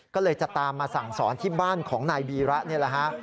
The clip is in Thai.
ก็เลยจะตามมาสั่งสอนที่บ้านของนายวีระนี่แหละฮะ